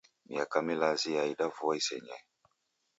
Miaka milazi yaida vua isenyee